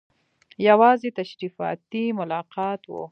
یوازې تشریفاتي ملاقات وو.